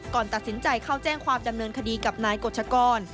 ก่อนตัดสินใจเข้าแจ้งความดำเนินคดีกับนายกฎชกร